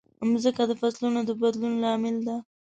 مځکه د فصلونو د بدلون لامل ده.